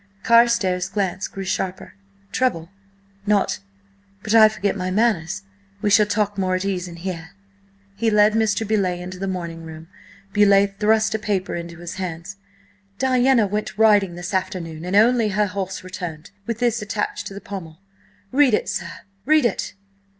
Carstares' glance grew sharper. "Trouble? Not— But I forget my manners–we shall talk more at ease in here." He led Mr. Beauleigh into the morning room. Beauleigh thrust a paper into his hands. "Diana went riding this afternoon, and only her horse returned–with this attached to the pommel! Read it, sir! Read it!"